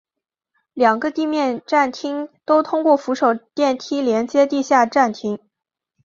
两个地面站厅都通过扶手电梯连接地下站厅。